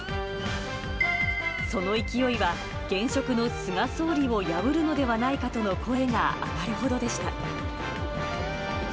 その勢いは、現職の菅総理を破るのではないかとの声が上がるほどでした。